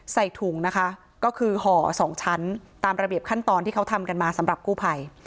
ใส่ถุงนะคะก็คือห่อสองชั้นตามระเบียบขั้นตอนที่เขาทำกันมาสำหรับกู้ภัย